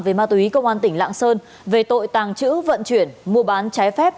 về ma túy công an tỉnh lạng sơn về tội tàng trữ vận chuyển mua bán trái phép